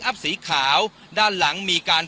ตอนนี้จะเปลี่ยนอย่างนี้หรอว้าง